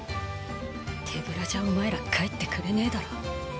手ぶらじゃお前ら帰ってくれねぇだろ。